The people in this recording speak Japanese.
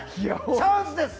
チャンスです！